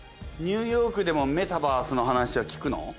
ニューヨークでもメタバースの話は聞くの？